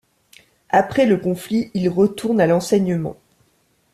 Après le conflit, il retourne à l'enseignement.